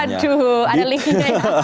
aduh ada linknya ya